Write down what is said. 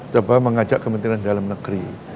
coba mengajak kementerian dalam negeri